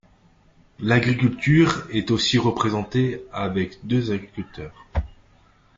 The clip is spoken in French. L'agriculture est aussi représentée avec deux agriculteurs.